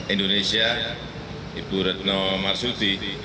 indonesia ibu retno marsudi